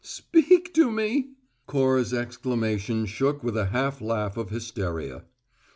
"`Speak to me!'" Cora's exclamation shook with a half laugh of hysteria.